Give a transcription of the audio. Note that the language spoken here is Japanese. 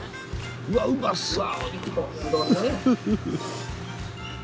うわうまそう！